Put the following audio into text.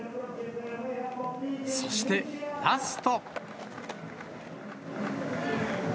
そしてラスト。